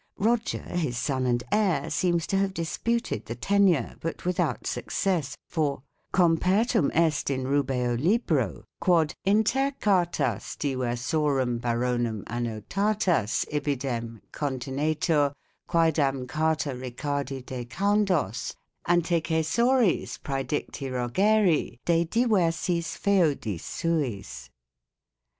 Roger, his son and heir, seems to have dis puted the tenure, but without success, for " compertum est in rubeo libro quod inter cartas diversorum Baronum annotatas ibidem continetur quaedam carta Ricardi de Chaundos, antecessoris praedicti Rogeri de diversis feodis suis".